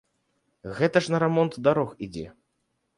Гэта ж на рамонт дарог ідзе.